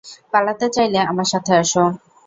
পালাতে চাইলে আমার সাথে আসো।